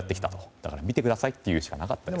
だから、見てくださいと言うしかなかったです。